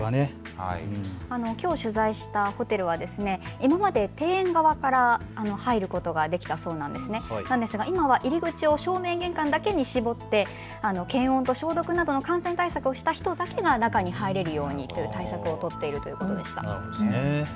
きょう取材したホテルは今まで庭園側から入ることができたそうですが、今は入り口を正面玄関だけに絞って検温と消毒などの感染対策をした人だけが中に入れるようにという対策を取っているということでした。